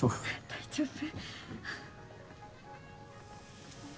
大丈夫